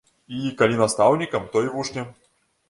І калі настаўнікам, то і вучням?